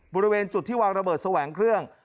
บริเวณจุดที่วางระเบิดแสวงเครื่อง